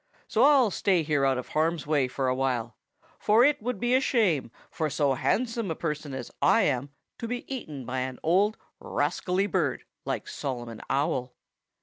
So I'll stay here out of harm's way for a while, for it would be a shame for so handsome a person as I am to be eaten by an old, rascally bird like Solomon Owl."